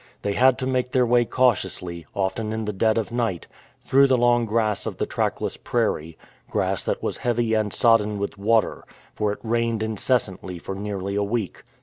They had to make their way cautiously, often in the dead of night, through the long grass of the trackless prairie, grass that was heavy and sodden with water, for it rained incessantly for nearly a week.